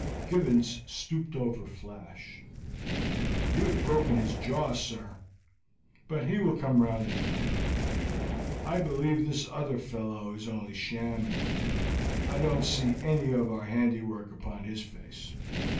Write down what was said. Gibbons stooped over Flash. "You have broken his jaw, sir; but he will come round in time. I believe this other fellow is only shamming. I don't see any of our handiwork upon his face.